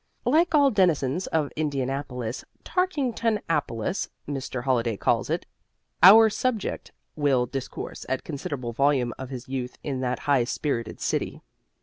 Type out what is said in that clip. Like all denizens of Indianapolis "Tarkingtonapolis," Mr. Holliday calls it our subject will discourse at considerable volume of his youth in that high spirited city.